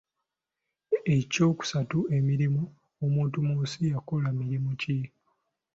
Ekyokusatu emirimu, omuntu mu nsi yakola mirimu ki?